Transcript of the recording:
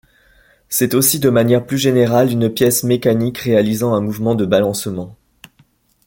C'est aussi de manière plus générale une pièce mécanique réalisant un mouvement de balancement.